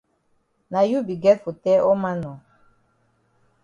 Na you be get for tell all man nor.